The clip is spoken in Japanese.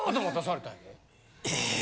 ・え？